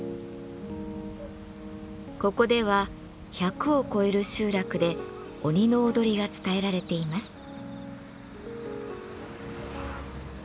ここでは１００を超える集落で鬼の踊りが伝えられています。